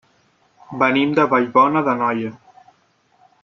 Venim de Vallbona d'Anoia.